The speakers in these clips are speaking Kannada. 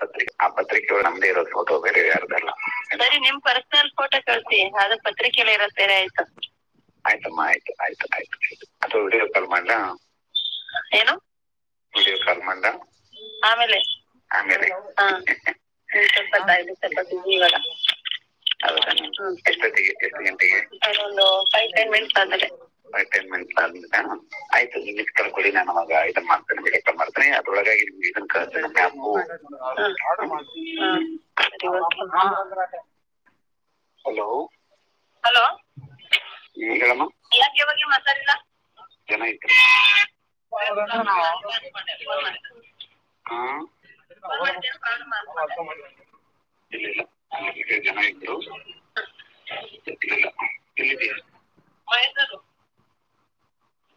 ಪತ್ರಿ ಆ ಪತ್ರಿಕೆಗಳು ನಮ್ದೇ ಇರೋ ಫೋಟೋ ಬರ ಯಾರ್ದಲ್ಲ ಸರ್ ಫೋಟೋ ಕಳಿಸಿ ಅದು ಪತ್ರಿಕೆೆಯಲ್ಲಿ ಇರ ಬೇರೆ ಆಯ್ತು ಆಯ್ತಮ್ಮ ಆಯ್ತು ಆಯ್ತು ವಿಡಿಯೋಕಲ್ ಮಾಡಲಾ ಏನು ವಿಡಿಯೋ ಕಾಲ್ ಮಾಡಲಾ ಆಮೇಲೆ ಆಮೇಲೆ ಹ್ಮ್ ಸ್ವಲ್ಪತ್ತದುು ಸ್ವಲ್ಪತ್ತಿ ಇವಾಗ ಹೌದ ಎ ಎ ಗಂಟೆಗೆ ಪೈ ಟೆನ್ ಮಿನಿಟ್ಸ್ ಆದ್ಮೇಲೆ ಆಯ್ತು ಮಿಸ್ ಕಾಲ್ ಕೊಡಿ ನಾನು ಅವವಾಗ ಇದ ಮಾಡ್ತೇನೆ ವಿಡಿಯೋ ಕಾಲ್ ಮಾಡ್ತೀನಿ ಒಳಗಾಗಿ [unintelligible] ಆಡ್ರ ಮಾಡ ಸರಿ ಓಕೆ ಹಲೋ ಹ [unintelligible] ಅನ್ಕೊಂಡೆ ಫೋನ್ ಮಾಡಿದೆ ಹ ಫೋನ್ ಮಾಡಿದ್ದೇನು ಪ್ರಾಬ್ಲಮ್ ಅನ್ಕೊಂಡೆ [unintelligible] ಜನ ಇದ್ರು ಎಲ್ಲಿದ್ದೀ [unintelligible]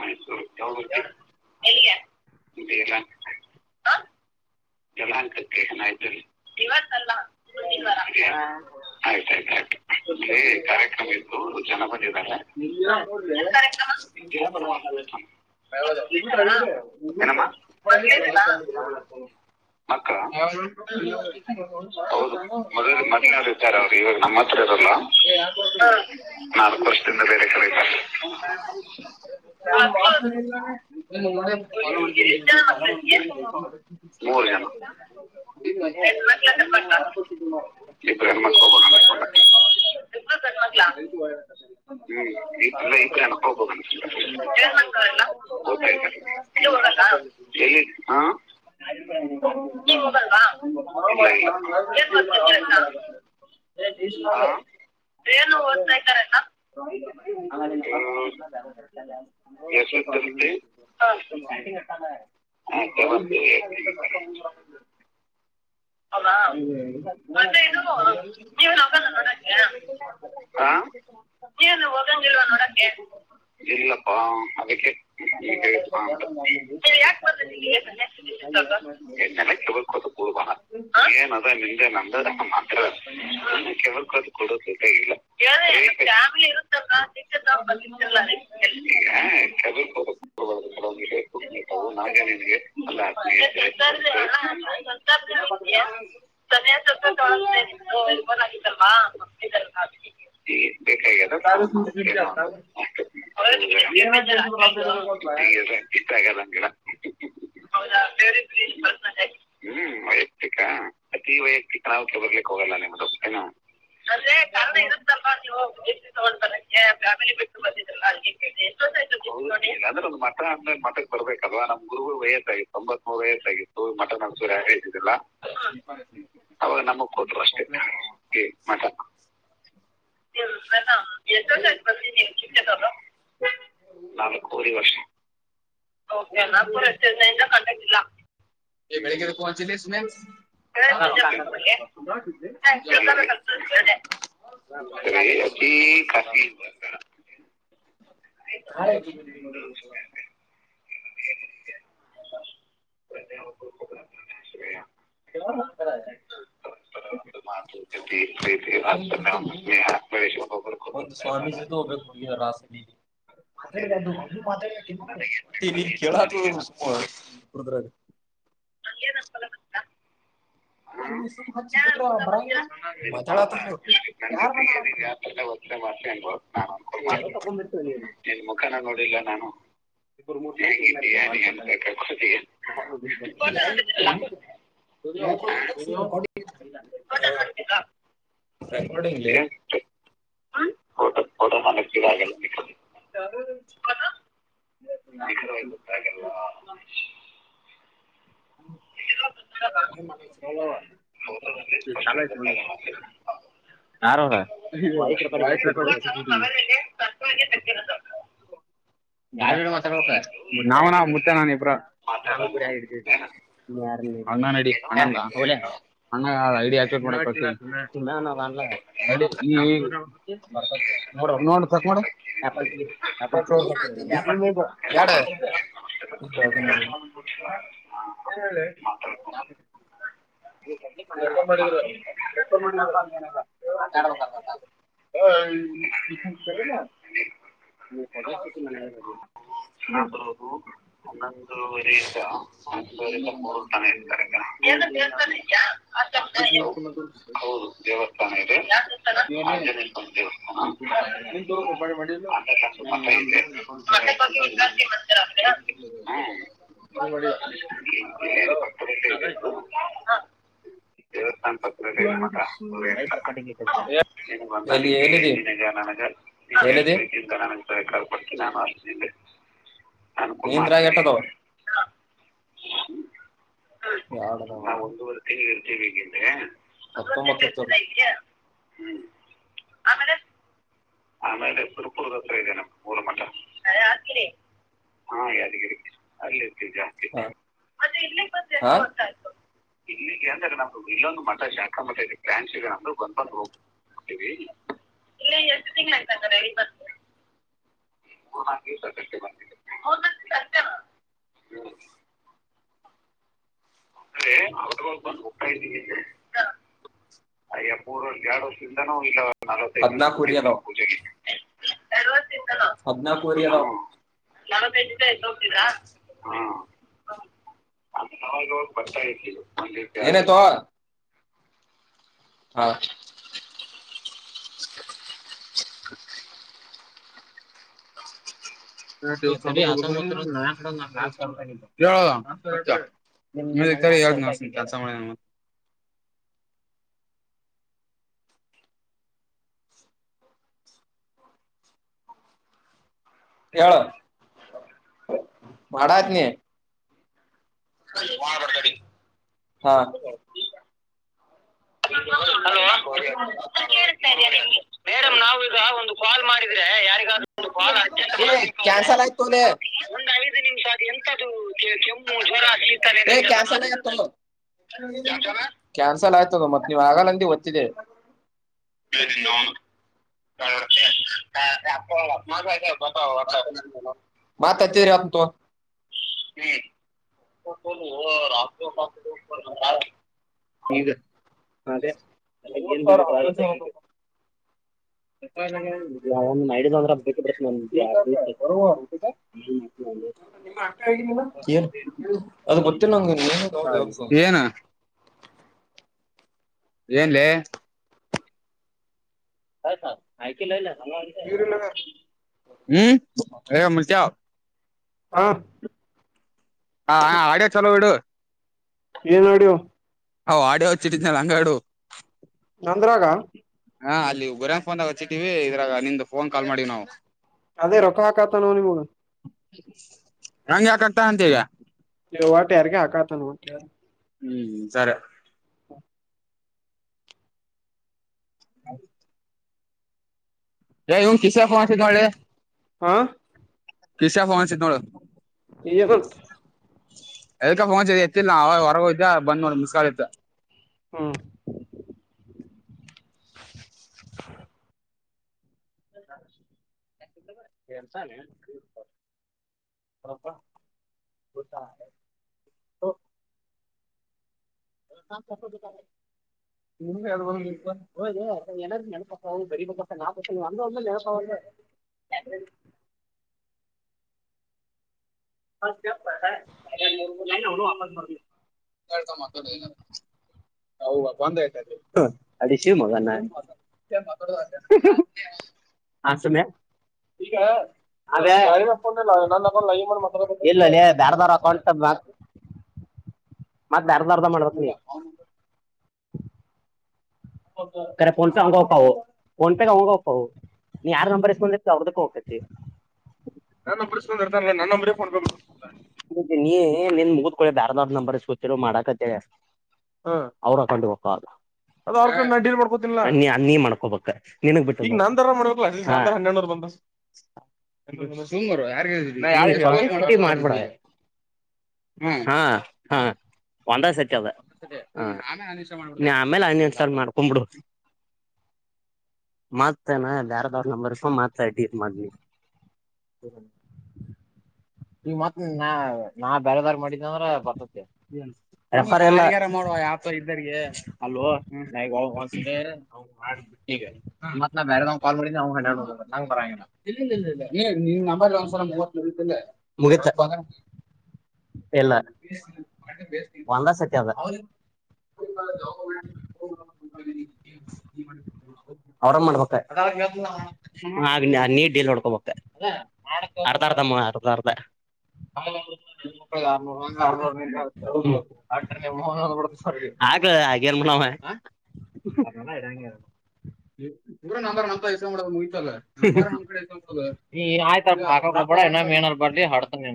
ಮೈಸೂರು ಎಲ ಅಕಕ್ಕೆ ಚಾಯ್ತ ಹಾ ಹಾಗ ಅಲ್ಲೇ ಕಾರ್ಯಕ್ರಮ ಇತ್ತು ಜನ ಬಂದಿದ್ದಾರೆ ಮಕ್ಳಿದಾರಾ [unintelligible] ಹ್ಮ್ ಹ [unintelligible] ಬೇರೆ ಕಳ [unintelligible] ಇಬ್ಬರು ಮಕ್ಕಳಿಗೆ [unintelligible] [unintelligible] ಇಬ್ಬರು ಹೆಣ್ಣು ಮಕ್ಕಳು ಒಬ್ಬ ಗಂಡ ಇಬ್ರೂ ಗಂಡ್ಮಕ್ಳು ಹ್ಮ್ ಇಬ್ರು ಹೆಣ್ಣುಮಕ್ಕಳು ಏನ್ ಮಾಡ್ತಾರೆ ಎಲ್ಲ ಓದ್ತಾ ಇದೆ [unintelligible] ನೀವು ಹೋಗಲ್ವಾ ಏನ್ ಓದ್ತಾ ಇದ್ದಾರೆ ಅಕ್ಕ [unintelligible] ಏನು ಓದ್ತಾ ಇದ್ದಾರೆ ಅಕ್ಕ [unintelligible] ಹ್ಮ್ [unintelligible] [unintelligible] ಹೌದಾ ಮತ್ತೆ ಇದು ನೀವೇನು ಹೋಗಲ್ಲ [unintelligible] ನೀ ಹ ನೋಡ ಇಲ್ಲಪ್ಪಾ ಅದಕ್ಕೆು ಸನ್ಯಾಸಿ ತಗೊಂಡು [unintelligible] ಏನ ಅದ ನಿಮೆ ನಂದದ ಮಾತ್ರವ ಅದು ಕೊಡೇ ಇಲ್ಲ ಗ್ಯಾಮ್ಲಿ ಇರುತ್ತಲ್ ಭ ಲ ನೆ ನಗೆ ಒಂದು ಆತ್ಮ ಹ ಸನಯ ಸ್ವಲ್ಪ ತೊಳತೇನೆ ಇರ್ಬನ್ ಆಗಿದ್ದಲ್ವಾ ಮಿದಲ್ವಾ ಈ ಬ ಾವ ಅಾವ ಇಷ್ಟ ಆಗಲ್ಲ ಅಡ ಹೌದಾ ಹ್ಮ ವಿಕ ಅತಿ ವೈಯಕ್ತಿಕ ನಾವತ್ ಬರ್ಲಿಕ್ ಹೋಗಲ್ಲ ನಿಮ್ದು ನಾ ವಿದೇಶಿ ತಗೊಂಡ್ ಹ ಬರಕ್ಕೆ ಫ್ಯಾಮಿಲಿ ಬಿಟ್ಟು ಬಂದಿದ ಎಷ್ಟ ಆ್ ಮಟನ್ ಅಂದ್ರ ಮಟಕ್ ತರಬೇಕಲ್ವಾ ನಮ್ ಗುರು ವಯಸ್ಸ ಆಗತ್ತು ತೊಂಬತ್ ಮೂರು ವಯಸ್ಸ ಆಿತ್ತು ಮಟನ್ ಅ ಸೂರ ಹರು ಅವಾಗ ನಮಗ್ ಕೂತರು ಅಷ್ಟೇ ಮಾ ತ ಚ ಅ ರ್ ಕಿಲ್ಲ ಎ ಬೆಳಗೆ ಪಹಚಿದೆೆ ಸುಮಲ್ ಬೇರೆ ಬೇಜಾರ್ ಬಿಟ್ಬಿಡಿ. ಕ ಹಾಯ್. ಅಂತ ಹೇಳ್ದೆ. ಹ್ಮ ನತಯತ ಹ ನತ್ತುದ ನ ಕೆ ಹ ಒಂದು ಸ್ವಾಮೀಜಿತೆ ಹೋಗ್ಬೇಕು ರ ಮಾ ಕೆರ ಳ ಯಾರ ತ್ತನೆ ಮಾಡ್ತೇ ಅನ್ಬೋ ನಾನು ಅನ್ಕ ಮಾಡ್ತೇ ನಿನ್ ಮುಖನ ನೋಡಿಲ್ಲ ನಾನು ಹೆಂಗಿದ್ದೀಯ ನೀ ಅನ್ಕಕತೀಯ ಹ ಹಲೋ ಡಲ್ಲಿ ಚ ಹಲೋ [unintelligible] ಚಾನಯ ಮನೆ ಯಾರವ್ರೆ ಇದು ಅಲ್ಲಿ ತಪ್ಪಾಗಿ ತೆಗ್ದಿರೋದು. ಯ ನಾವವು ನಾವ ಮುತ್ತ ನಾನ ಇಬ್ರ ನಾನುಡಿ ನೀ ಯಾರಲ್ಲಿ ಅಣ್ಣನ ಡಿ ಐ ಡಿ ಅಕ್ಸೆಪ್ಟ್ ಮಾಡಬೇಕು ನೀ ನೋಡ್ರ ತಿ [unintelligible] ಹಷ ಏನ ಹೇಳ [unintelligible] ಮಾಡಿದ್ ಎ ಮಾಡ ಏನಲ್ಲ [unintelligible] ಮ ಸ ಬರೋದು ಹನ್ನೊಂದುವರಿ ಇದ ಹನ್ನೊಂದುವರಿಂದ ಮೂರು ತನ ಇತಾರೆ ಹ ಯಾವ- ಯಾವ ದೇವಸ್ಥಾನ ತೋಪ ಮಾಡಲು ಮನೆ ಬಗ್ಗೆ ವಿಚಾರಿಸಿ ಮಾಡ್ತೀರಾ ಅಂದ್ರೆ [unintelligible] ನಾಯತು ದೇವಸ್ಥಾನ ಪ ಕಿಲೋಮೀಟರು ಇ ಬ ಅಲ್ಲಿ ಏದೆೇನ ಏದೆ ಎಂತನ ಕೊಟ್ಟ ನಾನು ಅ ಇಂದ್ರ ಕೆಟ್ಟದವ ಯಾಡ ನ ಒಂದುವರೆ ತಿ ಇರ್ತೀವಿಗ್ರ ಹತ್ತೊಂಬತ್ ಹ್ಮ್ ಆಮೇಲೆ ಆಮೇಲೆ ತರುಪೂರುರು ಅತ್ರ ಜನ ಗೂಡಮಠ ಹಾ ಯಾದಗಿ ಅಲ್ಲಿ ಜಾಸ್ತಿ [unintelligible] ಇಲ್ಲಿಗೆ ಅಂದ್ರೆ ನಮ್ದು ಇಲ್ಲೊಂದು ಮಠ ಶಾಕ ಮಠ ಇದೆ ಫ್ರ್ಯಾನ್ಸ್ ಇದೆ ಅಂದ್ರರು ಕಂದ್ಕಂದು ಹೋಗುದು ಇಲ್ಲಿ ಎಷ್ಟು ತಿಂಗಳ ಆ್ತಂದಾರೆಲ್ಲಿ ಬರ್ [unintelligible] ಲೇ ಅವ್ರಬ್ಬ ಹೋಗ್ತಾ ಇದ್ದೀ ಅಯ್ಯ ಪೂರ್ವ ಎರಡುಂದ ನ ನ ನ ಪೂಜೆ ಹದ್ನಾಕುವರೆ ಕ ಹೋಗ್ತೀರಾ ಏನಾಯ್ತು ಹಾ ಕಪ [unintelligible] [inaudible] ಹೇಳು ಮಾಡತ್ ನೀ ಹಾ [unintelligible] ಮೇಡಮ್ ನಾವ ಈಗ ಒಂದು ಕಾಲ್ ಮಾಡಿದ್ರೆ ಯಾರಿಗ ಕಾ ಕ್ಯಾನ್ಸಲ್ ಆಯ್ತೊಲೆ [unintelligible] ಕ್ಯಾನ್ಸಲ್ ಆಯ್ತದ ಮತ್ತ ನೀವ್ ಆಗಲ್ಲಂದ ದತ್ತಿದೆ ಇ ನ ಅಪ್ಪ ಅಬ್ ಮತ್ ಅಚ್ಚರಿ [unintelligible] ಇದು ಅದೇ [unintelligible] [inaudible] ಡಂದ್ರ ಬೇಕಿದ ನ ಏ ಅದು ಗೊತ್ತೇ ನಂಗ ಏನ್ ಏನ್ಲೆ ಹ ಹ ಆಯಕಲ ಇಲ್ಲ ಹ ಹ್ಮ್ ಡ್ರೈ ಮುರ್ಜಾವ್ ಹಾ ಹಾ ಹಾ ಆಡಿಯ ಚಲೋ ಬಿಡುುವ ಈ ವಿಡಿಯೋ ಅವ್ ಆಡಿಯೋ ಹಚ್ಚಿಟ್ಟಿದ್ನಲ್ಲ ಅಂಗಾಡು ನಂದ್ರಾಗ ಹಾ ಅಲ್ಲಿ ಗುರ್ಯಾಂಕ್ ಫನ್ದಾಗ ಹಚ್ಚಿಟ್ಟಿವವಿ ಇದ್ರಾಗ ನಿಂದು ಫೋನ್ ಕಾಲ್ ಮಾಡಿವ್ ನಾವು ಅದೇ ರೊಕ್ಕ ಹಾಕಾತ ನೋ ನಿಮಗ ಹಂಗ ಯಾಕ ಆಗ್ತ ಅಂತ ಈಗ ಇ ವೋಟು ಯಾರಕ ಆಕಾತಾನ ಯಾರ ಹ್ಮ್ ಸರ ಹ ಹೌದು ಇವನ್ ಕಿಸಿಯ ಫೋನ್ಸ ನೋ ಹಾ ಕಿಸಾ ಫೋನ್ಸಿದ ನೋಳ ಈ ಹೊತ್ರ [unintelligible] ಎದಕ ಫೋನ್ ಎತ್ತಿಲ್ಲ ನ ಅವ ಹೊರಗೋಯದ್ದೆ ಬಂದ್ ನೋಡ ಮಿಸ್ಕ್ಯಾಲ್ ಇತ್ತು ಹ್ಮ್ [inaudible] ಕೆಲ್ಸನೆ ಹಪ ಹತ [unintelligible] ೆ [unintelligible] ಹ ಅನಾದ ನೆನಪಕ್ಕ ಬರೀ ಪಕ್ಕ ನಾ ನೀ ಅಂದಂದ ನೆನಪ [unintelligible] [inaudible] ಹ [unintelligible] ಹ ನ ಹ ಅಮ್ಮ ಮಲಿ [unintelligible] ಹ ಬಂದ ಆಯ್ತ ಅದ ಶಿವ್ ಮಗ ನ ಹ ಸಮ್ಯಾ [unintelligible] ಈಗ ಅದೇ ನನ್ ಅಕೌಂಟ್ ಲೈನ್ ಮಾಡ್ಸಬೇಕ್ ಇಲ್ಲ ಲೇ ಬೆರ್ ಬೆರೆ ಅಕೌಂಟ್ ಮಾಡ್ಸಬೇಕ್ ಮತ್ತ ಬೆರಬೇರ್ದ ಮಾಡಬೇಕ್ ನೀ ಕರೆ ಫೋನ್ ಸ ಅವನಗ ಹೊಕ್ತವು ಫೋನ್ ಫೆ ಅವನಗ ಹೊಕ್ತವು ನೀ ಯಾರು ನಂಬರ್ ಇಸ್ಕೊಂಡಿರ್ತಿ ಅವ್ರದುಕ್ಕ ಹೊಕ್ಕೇತಿ ನನ್ ನಂಬರ್ ಇಸ್ಕೊಂಡಿರ್ತರಲ ನನ್ ನಂಬರ್ ಗೆ ಫೋನ್ ಪೆ ಬರ್ತತಿ ನೀ ನೀನ್ ಮುಗುದ್ ಕುಡ್ಲೆ ಬೆರೆದ್ ನಂಬರ್ಸ್ ಗೊತ್ತೀರಾವ್ ಮಾಡಕತ್ತೇನ್ ಅವ್ರ ಅಕೌಂಟ್ ಹೋಕ್ಕವ ಅದ್ ಅವ್ರ್ ಕೈಲ್ ನಾ ಡೀಲ್ ಮಾಕೋತಿನ್ನಲ ನೀ ನೀ ಮಾಡ್ಕೋಬೇಕ್ ನಿನಿಗ್ ಬಿಟ್ಟಿದ್ದು ಈಗ ನಂದರ ಮಾಡ್ಬೇಕಲ್ಲ ಹತ್ತ ು ಬರುವ ಯಾರು [unintelligible] ಹ್ಮ ಹಾ ಹಾ ಒಂದ ಸತಿ ಅದ ಆಮೇಲ್ ಅನ್ ಇನ್ಸ್ಟಾಲ್ ಮಾಡ್ಬಿಡ್ತಿನಿ ನೀ ಆಮೇಲೆ ಅನ್ ಇನ್ ಸ್ಟಾಲ್ ಮಾಡ್ಕೊಂಡಂಬಬಿಡು ಮಾತ್ತೇನ ಅಲ್ಲಿ ಯಾರ್ದಾದ್ರೂ ನಂಬರ್ ಇಸ್ಕೊಂಡ್ ಮಾತ್ ಆಡಿ ಮಾಡಿ ಹ್ಮ [unintelligible] [inaudible] ಈಗ್ ಮತ್ ನಿನ್ನ ನಾ ಬೆರದವ್ರಿಗ್ ಮಾಡಿದ್ದಂದ್ರ ಬರ್ತತಿ ಆತ ಇದ್ದರ್ರಿಗೆ ಅಲ್ಲೊ ನಗ ಮಾಡ ಬಿಟ್ಟ ಮತ್ ನ ಬೇಾರ್ ಕಾಲ್ ಮಾಡಿದ ಅವ ಹೆಣ್ಣ ನಂಗ ಬರ [unintelligible] ಇಲ್ಲ ಇ ಇಲ್ಲ ಇಲ್ಲ ನೀ ನಿನ್ ನಂಬರ್ ಗೆ ಒಂದ್ಸಲ ಮೂವತ್ತು ಮುರೀತಿಲ್ಲೆ ಮುಗಿತ್ [inaudible] ಇಲ್ಲ ಒಂದ ಸತಿ ಅದ ಹಕ [unintelligible] [inaudible] [unintelligible] ಅವ್ರೆ ಮಾಡ್ಬೇಕಾ ಅದ್ನ ನೀ ಡೀಲ್ ನೋಡ್ಕಬೇಕಾ ಅರ್ಧ ಆಗದ ಮಾವ ಅರ್ಧ ಅರ್ಧ ಅರು ಅ ಮ [unintelligible] ಆಗ್ಲೇ ಅಗ್ಯಾನ್ ಬಿಡ್ ಆವಾ ಗುರು ನಂಬರ್ ನಂತವ್ ಇಸ್ಕೊಬಿಡ್ ಮುಗಿತ್ತಲ್ಲ ನಂಬರ್ ಎ ನನ್ ಕಡಿ ಅಯ್ತಾಲ ಹೆ ಅಯ್ತಪ್ಪ ಪೂಡ ಎನ್ನ ಮೀನಲ್ ಬಾಟ್ ಹತನ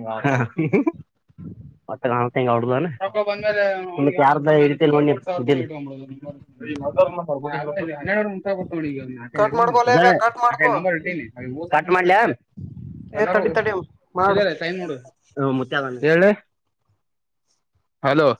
ಮತ್ತ ಕಾಣತಂಗ ಅವಡ್ದ ನಿ ಯಾರ್ದ ಇಿ [unintelligible] ಂಟ [unintelligible] ನೋಡ್ ಈಗ ನಾಕ್ ಐದ್ ಕಟ್ ಮಾಡ್ಕೋ ಅದ ಲೇಬೆ ಕಟ್ ನಾಕ್ ಐದ್ ಮಾಡ್ಕೋ ನಂಬರ್ ಇಟ್ಟೀನಿ ಕಟ್ ಮಾಡ್ಲ್ಯಾ ಏ ಎಲ್ಲಾರೂ ತಡಿ ತಡಿ ಇಲ್ಲ ಮಾಡು ಇಲ್ಲ ಟೈಮ್ ನೋಡು ಹೇಳೆ -ಹಲೋ